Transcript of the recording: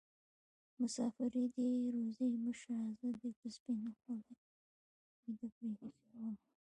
مسافري دې روزي مه شه زه دې په سپينه خولې ويده پرې ايښې ومه